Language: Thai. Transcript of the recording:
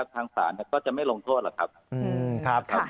ทางฝ่ายก็จะไม่ลงโทษล่ะครับ